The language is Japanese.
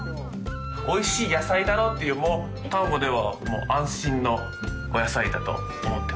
美味しい野菜だろ！っていう丹後ではもう安心のお野菜だと思っております。